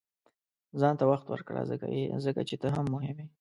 • ځان ته وخت ورکړه، ځکه چې ته هم مهم یې.